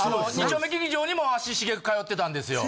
２丁目劇場にも足しげく通ってたんですよ。